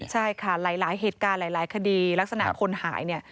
ใช่ค่ะหลายเหตุการณ์หลายคดีลักษณะคนหายเนี่ย